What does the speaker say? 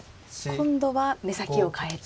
今度は目先を変えて。